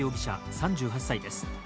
３８歳です。